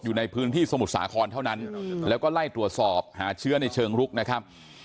อยู่ในพื้นที่สมุทรสาครเท่านั้นแล้วก็ไล่ตรวจสอบหาเชื้อในเชิงรุกนะครับ